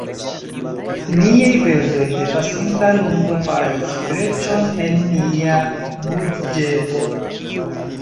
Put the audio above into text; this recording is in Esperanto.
Niaj perdoj de pasinta lundo faris breĉon en nia budĝeto.